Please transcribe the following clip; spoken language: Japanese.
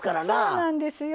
そうなんですよ。